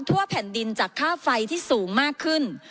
ทั่วแผ่นดินจากค่าไฟที่สูงมากขึ้น